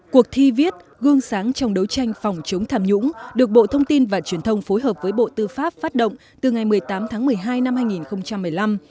cuộc thi viết gương sáng trong đấu tranh phòng chống tham nhũng được bộ thông tin và truyền thông phối hợp với bộ tư pháp phát động từ ngày một mươi tám tháng một mươi hai năm hai nghìn một mươi năm